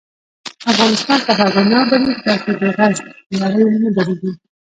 افغانستان تر هغو نه ابادیږي، ترڅو د غصب لړۍ ونه دریږي.